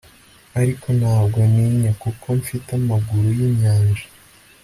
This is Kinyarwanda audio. ariko ntabwo ntinya, kuko mfite amaguru yinyanja